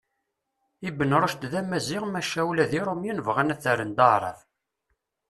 Ibn Rucd d amaziɣ maca ula d Iṛumiyen bɣan ad t-rren d aεrab.